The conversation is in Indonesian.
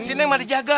si neng tidak dijaga